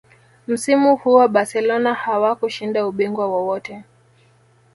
msimu huo barcelona hawakushinda ubingwa wowote